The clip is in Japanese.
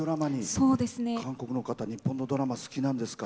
韓国の方日本のドラマ好きなんですか。